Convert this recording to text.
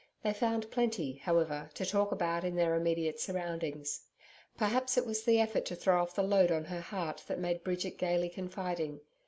They found plenty, however, to talk about in their immediate surroundings. Perhaps it was the effort to throw off the load on her heart that made Bridget gaily confiding.